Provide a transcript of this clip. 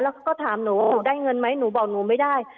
แล้วก็ถามหนูว่าหนูได้เงินไหมหนูบอกหนูไม่ได้